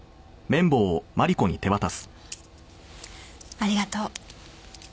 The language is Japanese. ありがとう。